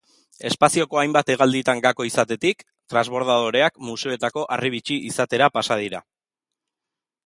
Espazioko hainbat hegalditan gako izatetik, transbordadoreak museoetako harribitxi izatera pasa dira.